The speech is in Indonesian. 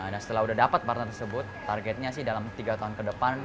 dan setelah sudah dapat partner tersebut targetnya sih dalam tiga tahun ke depan